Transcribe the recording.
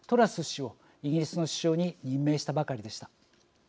氏をイギリスの首相に任命したばかりでした。